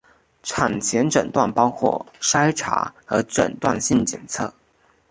产前诊断包括筛查和诊断性检测。